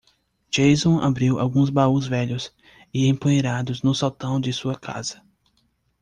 Jason abriu alguns baús velhos e empoeirados no sótão de sua casa.